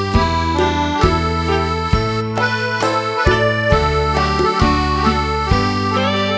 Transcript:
ขอบคุณครับ